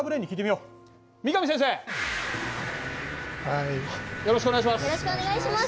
よろしくお願いします。